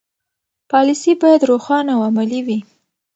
پالیسي باید روښانه او عملي وي.